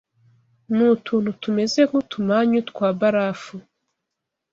Ni utuntu tumeze nk’utumanyu twa barafu